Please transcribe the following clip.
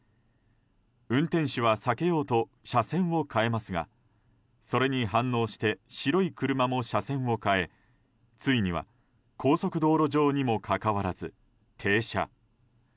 運転手は避けようと車線を変えますがそれに反応して白い車も車線を変えついには高速道路上にもかかわらず、停車。